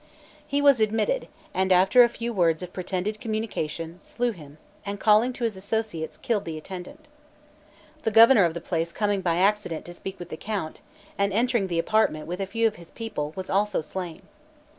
He was admitted, and after a few words of pretended communication, slew him, and calling to his associates, killed the attendant. The governor of the place coming by accident to speak with the count, and entering the apartment with a few of his people, was also slain.